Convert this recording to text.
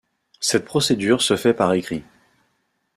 Cette procédure se fait par écrit.